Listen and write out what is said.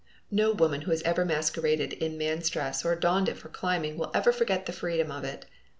No woman who has ever masqueraded in man's dress or donned it for climbing will ever forget the freedom of it.